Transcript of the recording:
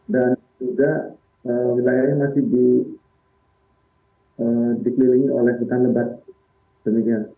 dan juga wilayahnya masih dikelilingi oleh hutan lebat